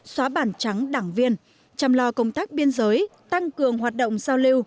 xóa bản trắng đảng viên chăm lo công tác biên giới tăng cường hoạt động giao lưu